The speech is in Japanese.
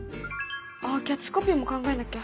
あっキャッチコピーも考えなきゃ。